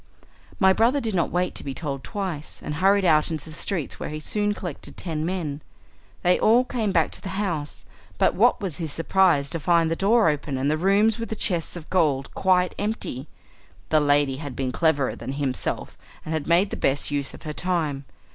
My brother did not wait to be told twice, and hurried out into the streets, where he soon collected ten men. They all came back to the house, but what was his surprise to find the door open, and the room with the chests of gold quite empty. The lady had been cleverer than himself, and had made the best use of her time.